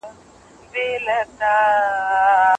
تاسو د هیواد د راتلونکي لپاره په ګډه کار وکړئ.